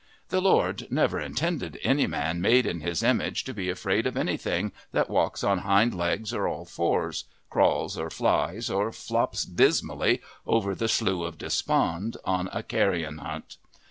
The Lord never intended any man made in His image to be afraid of anything that walks on hind legs or all fours, crawls or flies, or flops dismally over the Slough of Despond on a carrion hunt.